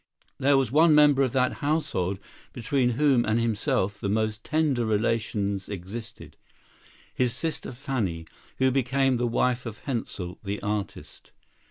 There was one member of that household between whom and himself the most tender relations existed,—his sister Fanny, who became the wife of Hensel, the artist.